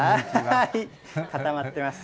固まってます。